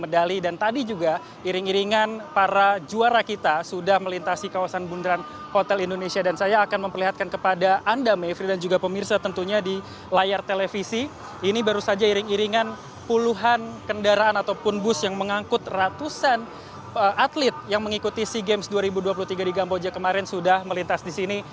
dari iring iringan puluhan kendaraan ataupun bus yang mengangkut ratusan atlet yang mengikuti sea games dua ribu dua puluh tiga di gampoja kemarin sudah melintas di sini